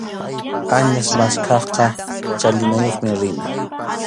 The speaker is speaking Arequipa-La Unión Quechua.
Añas maskaqqa chalinayuqmi rina.